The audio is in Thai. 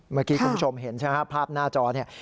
เมื่อกี้คุณผู้ชมเห็นใช่ไหมครับภาพหน้าจอเนี่ย